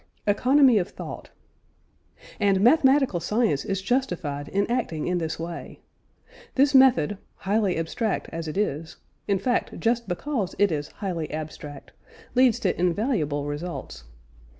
ECONOMY OF THOUGHT. And mathematical science is justified in acting in this way. This method, highly abstract as it is in fact, just because it is highly abstract leads to invaluable results.